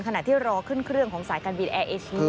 ขณะที่รอขึ้นเครื่องของสายการบินแอร์เอเชีย